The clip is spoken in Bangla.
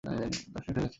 দশ মিনিট হয়ে গেছে।